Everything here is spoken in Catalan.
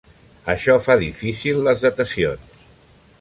Això fa difícil les datacions.